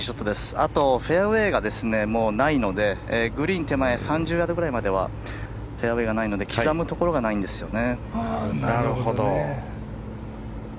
あと、フェアウェーがないのでグリーン手前の３０ヤードくらいまではフェアウェーがないので刻むところがないんですよね。